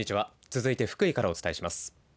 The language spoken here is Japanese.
続いて、福井からお伝えします。